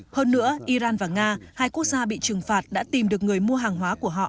hơn nữa iran và nga hai quốc gia bị trừng phạt đã tìm được người mua hàng hóa của họ